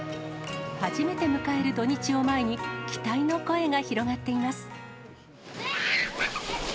初めて迎える土日を前に、期待の声が広がっています。